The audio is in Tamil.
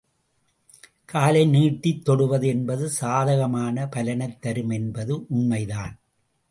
காலை நீட்டித் தொடுவது என்பது சாதகமான பலனைத் தரும் என்பது உண்மைதான்.